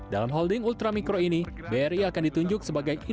dalam holding ultra mikro ini bri akan ditunjuk sebagai indeksan